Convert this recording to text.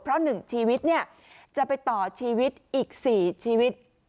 เพราะ๑ชีวิตเนี่ยจะไปต่อชีวิตอีก๔ชีวิต